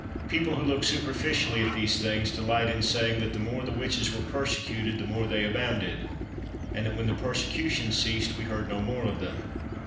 People who look superficially at these things, delight in saying that the more the witches were persecuted the more they abounded; and that when the persecution ceased we heard no more of them.